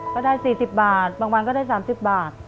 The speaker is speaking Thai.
ก็ได้๔๐บาทบางวันก็ได้๓๐บาท